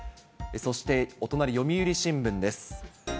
そしてお隣、読売新聞です。